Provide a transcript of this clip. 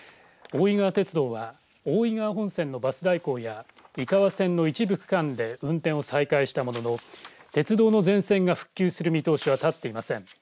大井川鉄道は大井川本線のバス代行や井川線の一部区間で運転を再開したものの鉄道の全線が復旧する見通しは立っていません。